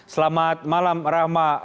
selamat malam rahma